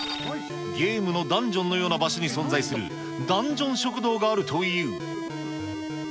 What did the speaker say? ゲームのダンジョンのような場所に存在するダンジョン食堂があるという。